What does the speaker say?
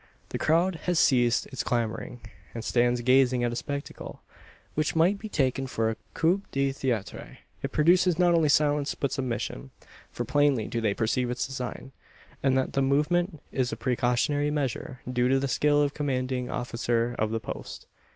The crowd has ceased its clamouring; and stands gazing at a spectacle, which might be taken for a coup de theatre. It produces not only silence, but submission: for plainly do they perceive its design, and that the movement is a precautionary measure due to the skill of the commanding officer of the post.